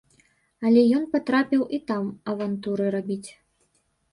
Але ён патрапіў і там авантуры рабіць.